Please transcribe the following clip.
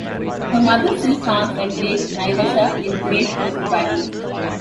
Her mother still farms at Lake Naivasha in the Great Rift Valley.